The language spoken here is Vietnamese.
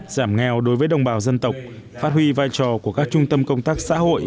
giảm nghèo đối với đồng bào dân tộc phát huy vai trò của các trung tâm công tác xã hội